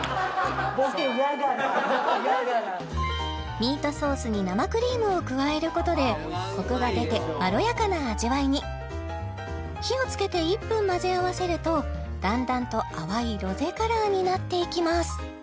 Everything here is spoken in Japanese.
ミートソースに生クリームを加えることでコクが出てまろやかな味わいに火を付けて１分混ぜ合わせるとだんだんと淡いロゼカラーになっていきます